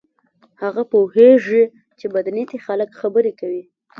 هغه پوهیږي چې بد نیتي خلک خبرې کوي.